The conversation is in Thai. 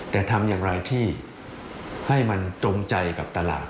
แต่ทำอย่างไรที่ให้มันตรงใจกับตลาด